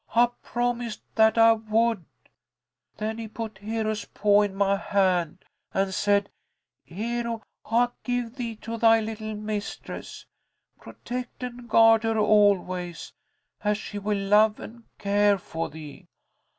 I promised that I would. Then he put Hero's paw in my hand, and said, 'Hero, I give thee to thy little mistress. Protect and guard her always, as she will love and care for thee.'